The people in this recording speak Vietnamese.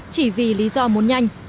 chỉ vì lý do muốn nhanh